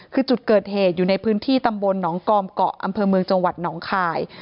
คือจุดเกิดเหตุอยู่ในพื้นที่ตำบลหนองกอมเกาะอำเภอเมืองจังหวัดหนองคาย